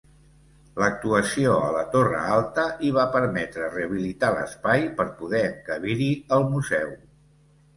L'actuació a la torre alta hi va permetre rehabilitar l'espai per poder encabir-hi el museu.